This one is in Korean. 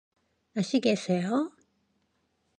아시겠어요?